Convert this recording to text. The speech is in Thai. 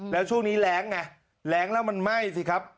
แล้วช่วงนี้แรงไงแรงแล้วมันไหม้สิครับ